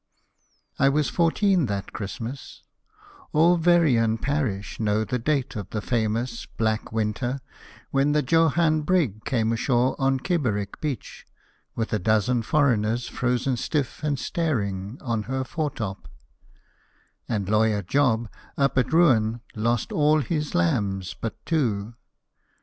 I was fourteen that Christmas: all Veryan parish knows the date of the famous "Black Winter," when the Johann brig came ashore on Kibberick beach, with a dozen foreigners frozen stiff and staring on her fore top, and Lawyer Job, up at Ruan, lost all his lambs but two.